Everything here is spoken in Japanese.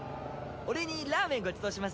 お礼にラーメンごちそうしますよ。